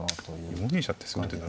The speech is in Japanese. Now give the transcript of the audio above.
４二飛車ってする手が。